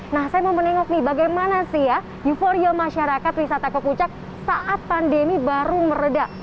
nah saya mau menengok nih bagaimana sih ya euforia masyarakat wisata ke puncak saat pandemi baru meredah